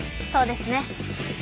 そうですね。